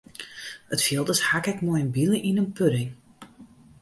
It fielde as hakke ik mei in bile yn in pudding.